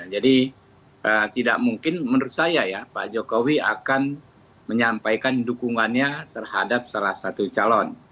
jadi tidak mungkin menurut saya ya pak jokowi akan menyampaikan dukungannya terhadap salah satu calon